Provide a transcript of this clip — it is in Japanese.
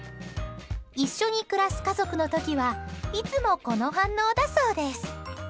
一緒に暮らす家族の時はいつも、この反応だそうです。